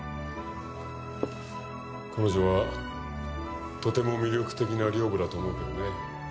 彼女はとても魅力的な寮母だと思うけどね